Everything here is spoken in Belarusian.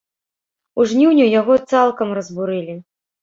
У жніўні яго цалкам разбурылі.